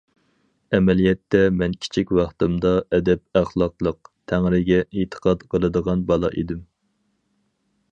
ئەمەلىيەتتە مەن كىچىك ۋاقتىمدا ئەدەپ- ئەخلاقلىق، تەڭرىگە ئېتىقاد قىلىدىغان بالا ئىدىم.